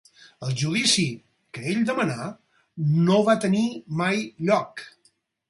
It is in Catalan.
El judici, que ell demanà, no va tenir mai lloc.